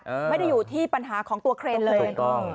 ใช่ไม่ได้อยู่ที่ปัญหาของตัวเคลย์เลยถูกต้อง